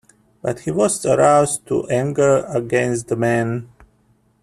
But he was aroused to anger against the man.